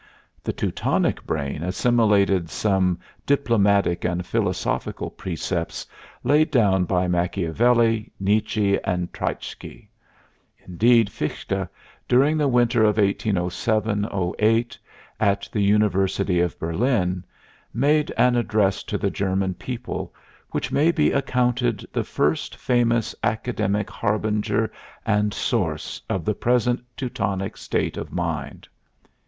The Teutonic brain assimilated some diplomatic and philosophic precepts laid down by Machiavelli, Nietzsche and Treitschke. Indeed, Fichte, during the Winter of 1807 08, at the University of Berlin, made an address to the German people which may be accounted the first famous academic harbinger and source of the present Teutonic state of mind.